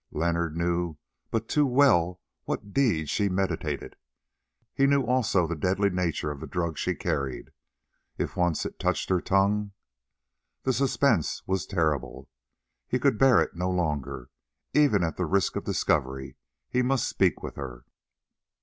Leonard knew but too well what deed she meditated. He knew also the deadly nature of the drug she carried. If once it touched her tongue! The suspense was terrible. He could bear it no longer; even at the risk of discovery he must speak with her.